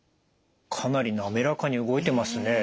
かなり滑らかに動いてますね。